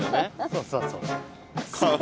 そうそうそうそう。